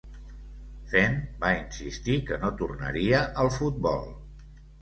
Fenn va insistir que no tornaria al futbol.